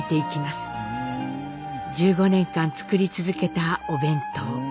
１５年間作り続けたお弁当。